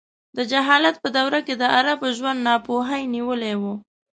د جهالت په دوره کې د عربو ژوند ناپوهۍ نیولی و.